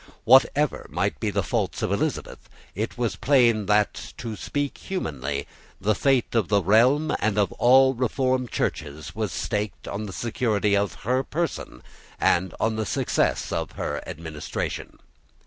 Whatever might be the faults of Elizabeth, it was plain that, to speak humanly, the fate of the realm and of all reformed Churches was staked on the security of her person and on the success of her administration.